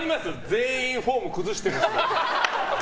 全員フォーム崩してるの。